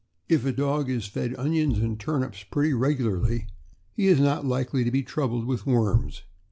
If a dog is fed onions and turnips pretty regularly, he is not likely to be troubled with worms.